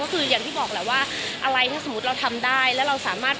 อะไรถ้าสมมติเราทำได้แล้วเราสามารถ